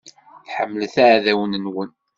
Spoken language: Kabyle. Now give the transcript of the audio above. Ḥemmlet iɛdawen-nwen.